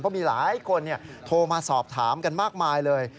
เพราะมีหลายคนโทรมาสอบถามกันมากมายเลย